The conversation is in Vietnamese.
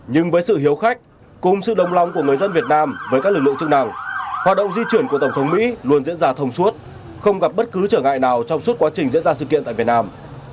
nhưng với sự hiếu khách cùng sự đồng lòng của người dân việt nam với các lực lượng chức năng hoạt động di chuyển của tổng thống mỹ luôn diễn ra thông suốt không gặp bất cứ trở ngại nào trong suốt quá trình diễn ra sự kiện tại việt nam